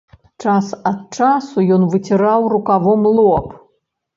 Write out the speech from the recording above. Час ад часу ён выціраў рукавом лоб.